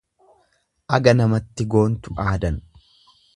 Aga namatti goontu aadan.